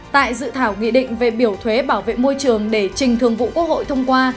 tại dự thảo nghị định về biểu thuế bảo vệ môi trường để trình thường vụ quốc hội thông qua